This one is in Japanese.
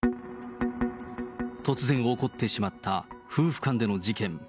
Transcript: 突然起こってしまった夫婦間での事件。